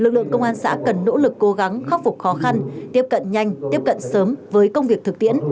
lực lượng công an xã cần nỗ lực cố gắng khắc phục khó khăn tiếp cận nhanh tiếp cận sớm với công việc thực tiễn